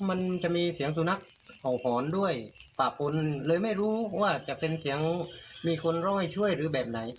มันจะมีเสียงสุนัขเห่าหอนด้วยปะปนเลยไม่รู้ว่าจะเป็นเสียงมีคนร่อยช่วยหรือแบบไหน